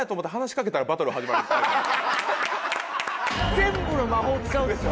全部の魔法使うでしょ？